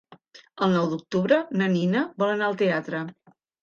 El nou d'octubre na Nina vol anar al teatre.